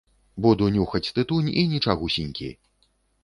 Буду нюхаць тытунь, і нічагусенькі!